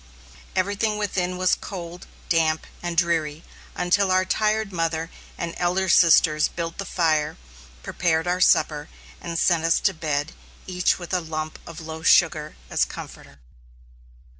Everything within was cold, damp, and dreary, until our tired mother and elder sisters built the fire, prepared our supper, and sent us to bed, each with a lump of loaf sugar as comforter.